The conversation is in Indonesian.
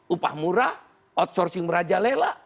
upah murah outsourcing meraja lela